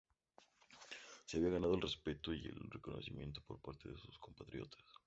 Se había ganado el respeto y el reconocimiento por parte de sus compatriotas.